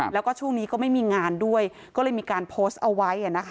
แล้วก็ช่วงนี้ก็ไม่มีงานด้วยก็เลยมีการโพสต์เอาไว้